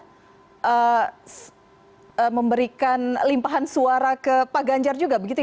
apakah itu membuat pemerintah memiliki kesempatan yang cukup tinggi